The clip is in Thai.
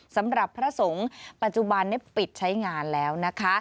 สำหรับพระสงฆ์ปัจจุบันนี้ปิดใช้งานแล้วนะคะ